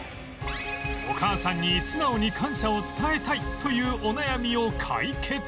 お母さんに素直に感謝を伝えたいというお悩みを解決